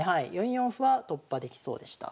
４四歩は突破できそうでした。